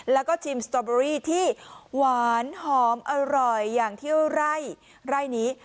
แล้วก็ชิมสตอเบอรี่ที่หวานหอมอร่อยอย่างเที่ยวไร่ไร่นี้